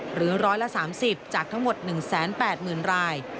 หรือร้อยละ๓๐จากทั้งหมด๑๘๐๐๐๐ราย